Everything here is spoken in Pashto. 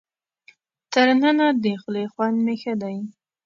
تر ننه د خولې خوند مې ښه دی.